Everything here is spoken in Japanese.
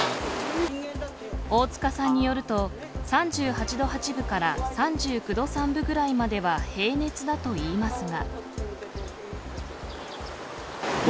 大塚さんによると３８度８分から３９度３分ぐらいまでは平熱だといいますが。